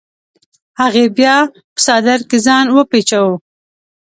هغې بیا په څادر ځان وپیچوه.